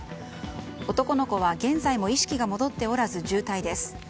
男の子は現在も意識が戻っておらず重体です。